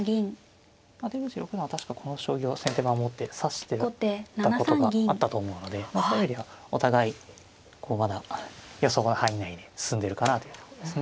出口六段は確かこの将棋を先手番を持って指していたことがあったと思うのでそういう意味ではお互いこうまだ予想の範囲内で進んでいるかなというとこですね。